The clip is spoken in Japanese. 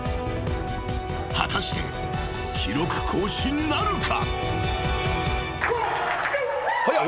［果たして記録更新なるか？］